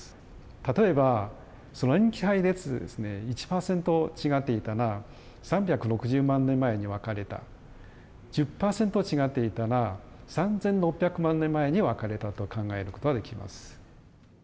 例えばその塩基配列ですね１％違っていたら３６０万年前に分かれた１０％違っていたら３，６００万年前に分かれたと考えることができます。